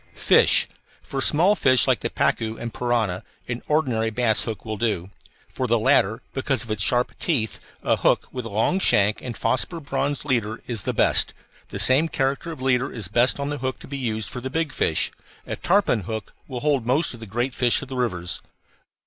FISH For small fish like the pacu and piranha an ordinary bass hook will do. For the latter, because of its sharp teeth, a hook with a long shank and phosphor bronze leader is the best; the same character of leader is best on the hook to be used for the big fish. A tarpon hook will hold most of the great fish of the rivers.